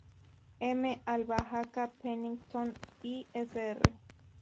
M. Albahaca Pennington, y Fr.